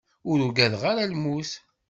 Ur ugadeɣ ara lmut.